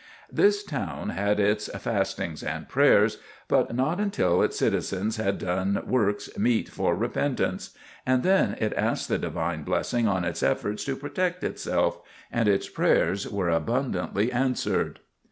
This town had its "fastings and prayers," but not until its citizens had done works meet for repentance; and then it asked the divine blessing on its efforts to protect itself and its prayers were abundantly answered.